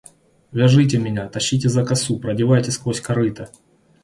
Вяжите меня! тащите за косу! продевайте сквозь корыто!